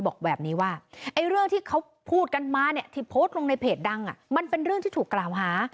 บอกแบบนี้ว่าเรื่องที่เขาพูดกันมาเนี่ยที่โพสต์ลงในเพจดังมันเป็นเรื่องที่ถูกกล่าวหา